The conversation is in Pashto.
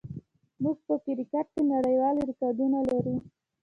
موږ په کرکټ کې نړیوال ریکارډونه لرو.